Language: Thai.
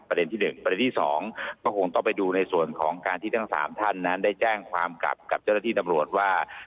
ที่๑ประเด็นที่๒ก็คงต้องไปดูในส่วนของการที่ทั้ง๓ท่านนั้นได้แจ้งความกลับกับเจ้าหน้าที่ตำรวจว่า